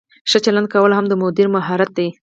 ښه چلند کول هم د مدیر مهارت دی.